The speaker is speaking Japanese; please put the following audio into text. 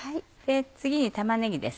次に玉ねぎです。